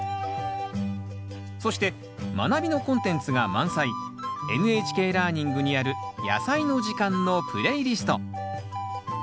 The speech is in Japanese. そして「まなび」のコンテンツが満載「ＮＨＫラーニング」にある「やさいの時間」のプレイリスト。